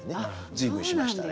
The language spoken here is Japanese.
随分しましたね。